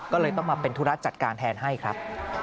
ก็เลยต้องมาเป็นธุระจัดการแทนให้ครับ